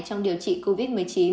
trong điều trị covid một mươi chín